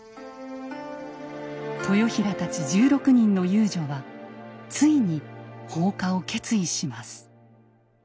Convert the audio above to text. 豊平たち１６人の遊女はついに放火を決意します。